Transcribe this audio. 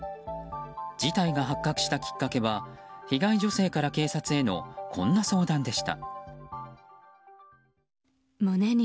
事態が発覚したきっかけは被害女性から警察へのこんな相談でした。